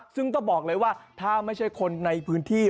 ซึ่งต้องบอกเลยว่าถ้าไม่ใช่คนในพื้นที่